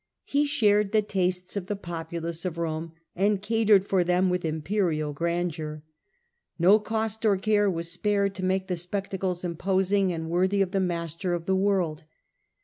He shared the tastes of the populace of Rome, and catered for them with imperial grandeur. No cost or care was spared to make the spectacles imposing and worthy of the master of the world.